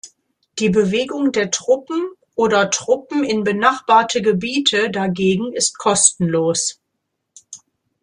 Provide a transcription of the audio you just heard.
Die Bewegung der Truppen oder Truppen in benachbarte Gebiete dagegen ist kostenlos.